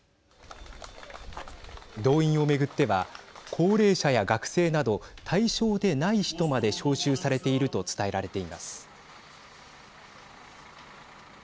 動員を巡っては高齢者や学生など対象でない人まで招集されていると伝えられています。